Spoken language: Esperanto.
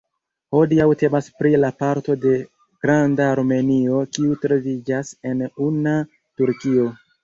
Hodiaŭ temas pri la parto de Granda Armenio kiu troviĝas en una Turkio.